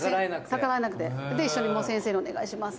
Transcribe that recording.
「逆らえなくて」「一緒に先生に“お願いします”